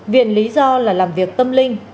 viện lý do là làm việc tâm linh